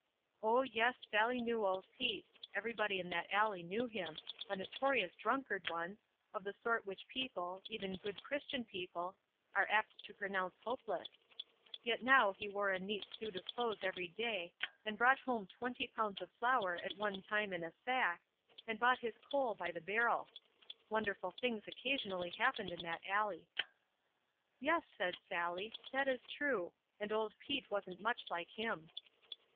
Oh, yes, Sallie knew old Pete; every body in that alley knew him; a notorious drunkard once, of the sort which people, even good Christian people, are apt to pronounce hopeless; yet now he wore a neat suit of clothes every day, and brought home twenty pounds of flour at one time in a sack, and bought his coal by the barrel. Wonderful things occasionally happened in that alley. "Yes," said Sally, "that is true; and old Pete wasn't much like him."